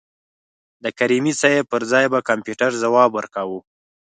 د کریمي صیب پر ځای به کمپیوټر ځواب ورکاوه.